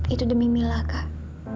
itu demi mila kak